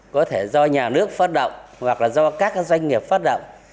có thể do nhà nước phát động hoặc là do các doanh nghiệp phát động